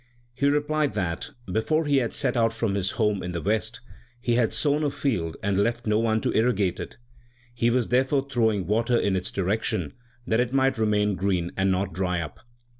He replied that, before he had set out from his home in the west, he had sown a field and left no one to irrigate it. He was therefore throwing water in its direction, that it might remain green and not dry up.